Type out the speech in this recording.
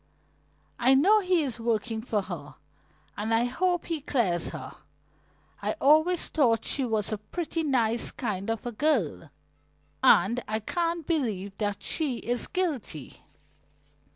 "I know he is working for her and I hope he clears her. I always thought she was a pretty nice kind of a girl, and I can't believe that she is guilty."